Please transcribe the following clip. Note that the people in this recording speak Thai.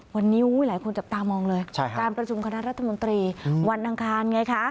วันนี้หลายคนจับตามองเลยตามประจำคาดละธมวันทางคลางไงคะ